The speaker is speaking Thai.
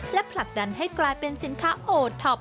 และผลักดันให้กลายเป็นสินค้าโอท็อป